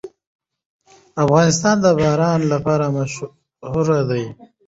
افغانستان د باران لپاره مشهور دی.